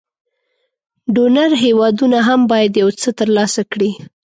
ډونر هېوادونه هم باید یو څه تر لاسه کړي.